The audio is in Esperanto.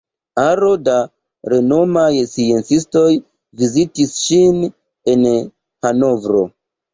Aro da renomaj sciencistoj vizitis ŝin en Hanovro.